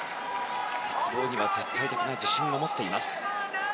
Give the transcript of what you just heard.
鉄棒には絶対的な自信を持っています。